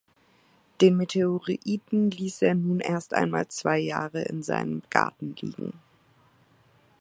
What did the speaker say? Den Meteoriten ließ er nun erst einmal zwei Jahre in seinem Garten liegen.